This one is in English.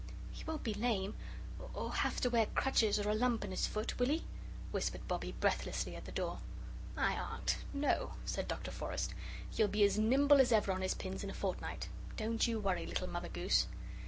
"He won't be lame, or have to wear crutches or a lump on his foot, will he?" whispered Bobbie, breathlessly, at the door. "My aunt! No!" said Dr. Forrest; "he'll be as nimble as ever on his pins in a fortnight. Don't you worry, little Mother Goose."